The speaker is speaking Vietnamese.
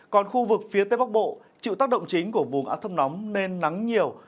còn khu vực phía tây bắc bộ chịu tác động chính của vùng át thâm nóng nên nắng nhiều